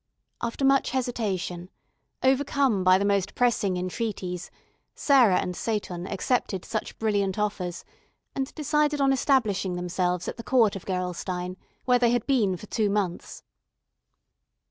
After much hesitation, overcome by the most pressing entreaties, Sarah and Seyton accepted such brilliant offers, and decided on establishing themselves at the court of Gerolstein, where they had been for two months.